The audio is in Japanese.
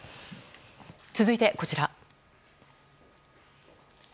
続いて、こちら。